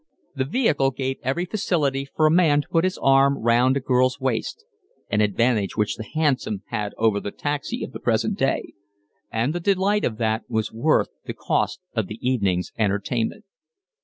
The vehicle gave every facility for a man to put his arm round a girl's waist (an advantage which the hansom had over the taxi of the present day), and the delight of that was worth the cost of the evening's entertainment.